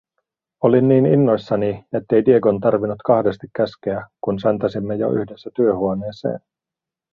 Olin niin innoissani, ettei Diegon tarvinnut kahdesti käskeä, kun säntäsimme jo yhdessä työhuoneeseen.